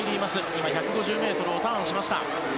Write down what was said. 今、１５０ｍをターンしました。